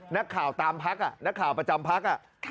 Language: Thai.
นักข่าวตามพักนักข่าวประจำพัก